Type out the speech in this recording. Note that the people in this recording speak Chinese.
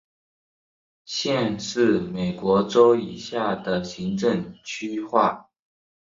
县是美国州以下的行政区划。